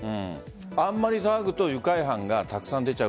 あまり騒ぐと愉快犯がたくさん出ちゃう。